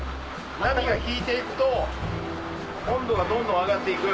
波が引いていくと温度がどんどん上がっていく。